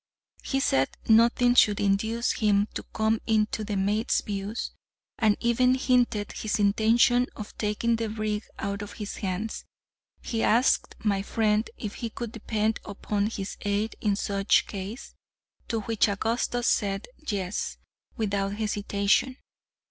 He said nothing should induce him to come into the mate's views, and even hinted his intention of taking the brig out of his hands. He asked my friend if he could depend upon his aid in such case, to which Augustus said, "Yes," without hesitation.